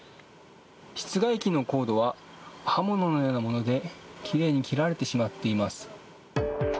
室外機のコードは刃物のようなもので奇麗に切られてしまっています。